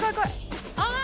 あ。